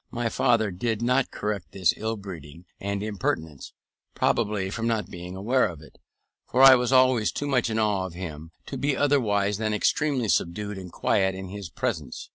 My father did not correct this ill breeding and impertinence, probably from not being aware of it, for I was always too much in awe of him to be otherwise than extremely subdued and quiet in his presence.